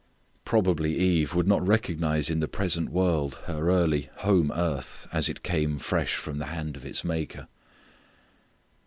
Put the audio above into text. Probably Eve would not recognize in the present world her early home earth as it came fresh from the hand of its Maker.